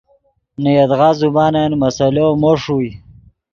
نے یدغا زبانن مسئلو مو ݰوئے